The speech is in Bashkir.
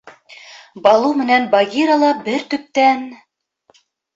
Балу менән Багира ла бер төптән: